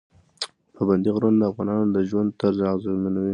پابندی غرونه د افغانانو د ژوند طرز اغېزمنوي.